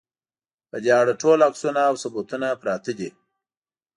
په دې اړه ټول عکسونه او ثبوتونه پراته دي.